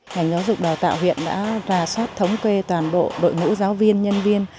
ngành giáo dục đào tạo huyện đã rà soát thống kê toàn bộ đội ngũ giáo viên